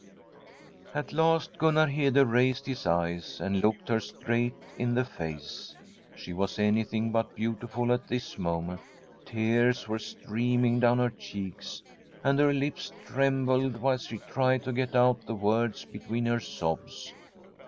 At Um iJunuar Hede raised his eyes, and looked her ^traij^ht in the face. She was any thing hut beimtiUU at this moment. Tears were streaming lUnvu her cheeks, and her lips trembled, whilst !<l\e tried to get out the words between her sobs.